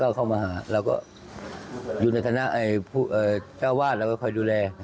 คือไม่ได้พูดคุยอะไรมากมาย